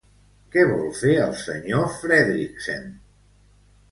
Què vol fer el senyor Fredricksen?